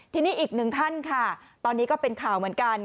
ทีนี้อีกหนึ่งท่านค่ะตอนนี้ก็เป็นข่าวเหมือนกัน